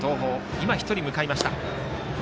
今、１人向かいました。